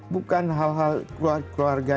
bukan hal hal keluarga